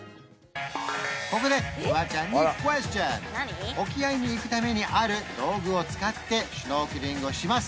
ここでフワちゃんにクエスチョン沖合に行くためにある道具を使ってシュノーケリングをします